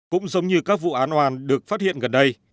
cũng giống như các vụ án oan được phát hiện gần đây